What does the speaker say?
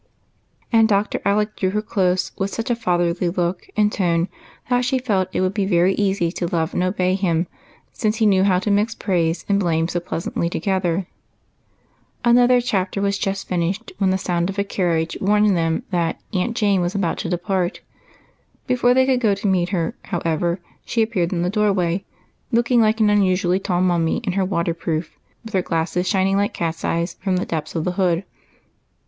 And Dr. Alec drew her close beside him with such a fatherly look and tone that she felt it would be very easy to love and obey him since he knew how to mix praise and blame so pleasantly together. AND WHAT CAME OF IT. 91 Another chapter was just finished, when the sound of a carriage warned them that Aunt Jane was about to depart. Before they couki go to meet her, however, she appeared in the door way looking like an unusually tall mummy in her waterproof, with her glasses shin ing like cat's eyes from the depths of the hood.